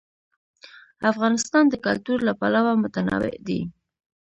افغانستان د کلتور له پلوه متنوع دی.